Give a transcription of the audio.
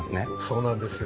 そうなんです。